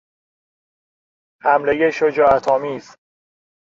حملهی شجاعتآمیز